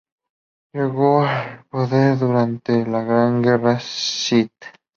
Llegó al poder durante la Gran Guerra Sith.